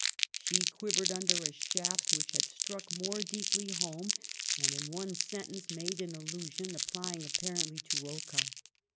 She quivered under a shaft which had struck more deeply home, and in one sentence made an allu sion applying apparently to Rocca.